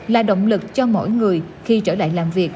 là động lực cho mỗi người khi trở lại làm việc